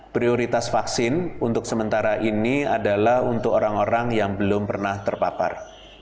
prioritas vaksin untuk sementara ini adalah untuk orang orang yang belum pernah terpapar